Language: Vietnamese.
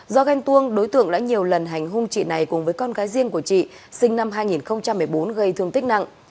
do ghen tuông đối tượng đã nhiều lần hành hung chị này cùng với con gái riêng của chị sinh năm hai nghìn một mươi bốn gây thương tích nặng